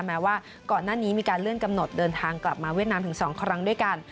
แม้ว่าก่อนหน้านี้มีการเลื่อนกำหนดเดินทางกลับมาเวียดนามถึง๒ครั้งด้วยกัน